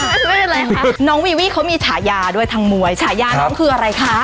ไม่เป็นไรค่ะน้องวีวี่เขามีฉายาด้วยทางมวยฉายาน้องคืออะไรคะ